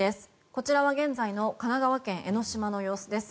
こちらは現在の神奈川県・江の島の様子です。